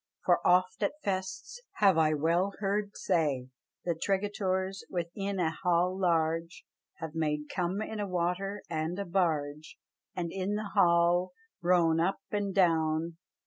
For oft at festes have I wel herd say That tregetoures, within an halle large, Have made come in a water and a barge, And in the halle rowen up and doun.